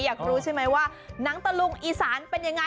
อยากรู้ใช่ไหมว่าหนังตะลุงอีสานเป็นยังไง